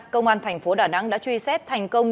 công an tp hcm đã truy xét thành công